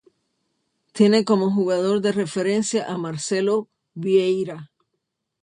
Tiene como jugador de referencia a Marcelo Vieira.